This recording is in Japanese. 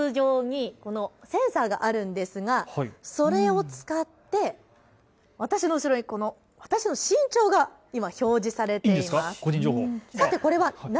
私の頭上にセンサーがあるんですがそれを使って私の後ろに私の身長が今表示されています。